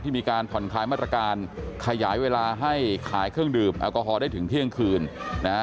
มีการผ่อนคลายมาตรการขยายเวลาให้ขายเครื่องดื่มแอลกอฮอลได้ถึงเที่ยงคืนนะฮะ